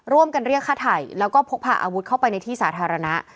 ร่วมกันเรียกฆ่าไถ่แล้วก็พกพาอาวุธเข้าไปในที่สาธารณะ